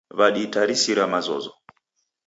Waditarisira mazozo.